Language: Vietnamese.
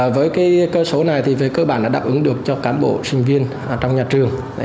với cơ số này thì về cơ bản đã đáp ứng được cho cán bộ sinh viên trong nhà trường